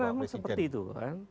karena memang seperti itu kan